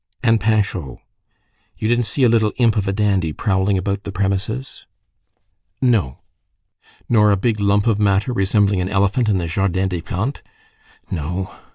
"And Panchaud." "You didn't see a little imp of a dandy prowling about the premises?" "No." "Nor a big lump of matter, resembling an elephant in the Jardin des Plantes?" "No."